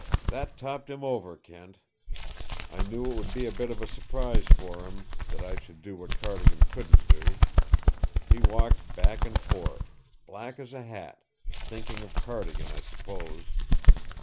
That topped him over, Kent. I knew it would be a bit of a surprise for him, that I should do what Cardigan couldn't do. He walked back and forth, black as a hat thinking of Cardigan, I suppose.